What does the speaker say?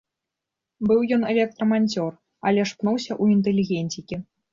Быў ён электраманцёр, але ж пнуўся ў інтэлігенцікі.